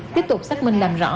tiếp tục xác minh làm rõ